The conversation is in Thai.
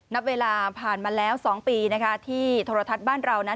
นับเวลาผ่านมาแล้ว๒ปีนะคะที่โทรทัศน์บ้านเรานั้น